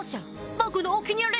僕のお気に入り！